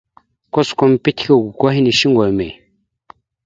Kuskom pitike ako hinne shuŋgo emey ?